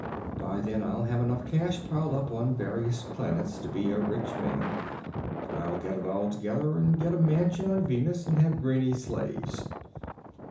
By then I'll have enough cash piled up on various planets to be a rich man. I'll get it all together and get a mansion on Venus, and have Greenie slaves."